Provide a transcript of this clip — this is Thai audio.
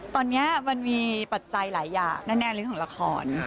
ตอนนี้มันมีปัจจัยหลายอย่างแน่เรื่องของละคร